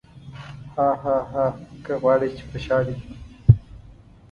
هاهاها که غواړې چې په شاه دې کړم.